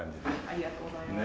ありがとうございます。